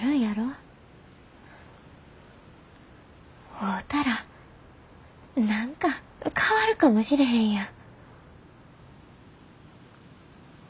会うたら何か変わるかもしれへんやん。